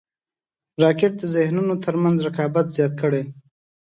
راکټ د ذهنونو تر منځ رقابت زیات کړی